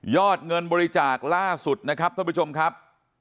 เงินบริจาคล่าสุดนะครับท่านผู้ชมครับ